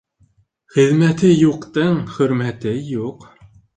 Хеҙмәте юҡтың хөрмәте юҡ.